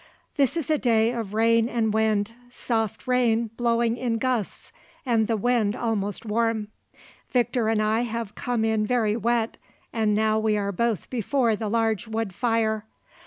This is a day of rain and wind, soft rain blowing in gusts and the wind almost warm. Victor and I have come in very wet and now we are both before the large wood fire.